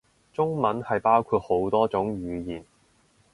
中文係包括好多種語言